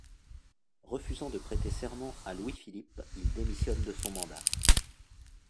Refusant de prêter serment à Louis-Philippe, il démissionne de son mandat.